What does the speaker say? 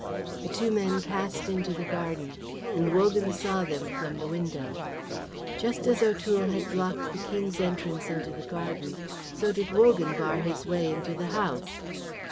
The two men passed into the garden, and Wogan saw them from the window. Just as O'Toole had blocked the King's entrance into the garden, so did Wogan bar his way into the house.